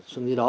xuân như đó